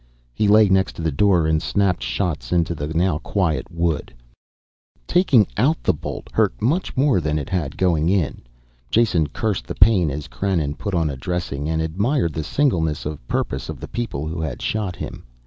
He lay next to the door and snapped shots into the now quiet wood. Taking out the bolt hurt much more than it had going in. Jason cursed the pain as Krannon put on a dressing, and admired the singleness of purpose of the people who had shot him.